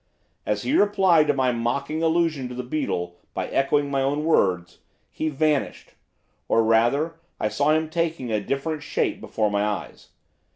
As he replied to my mocking allusion to the beetle by echoing my own words, he vanished, or, rather, I saw him taking a different shape before my eyes.